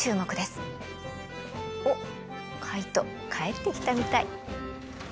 おっカイト帰ってきたみたい。